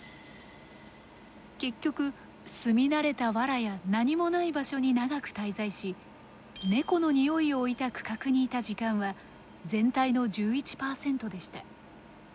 結局住み慣れた藁や何もない場所に長く滞在しネコのにおいを置いた区画にいた時間は全体の１１％でした。